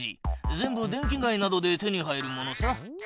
全部電気街などで手に入るものさ。